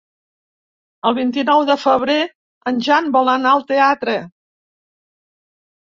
El vint-i-nou de febrer en Jan vol anar al teatre.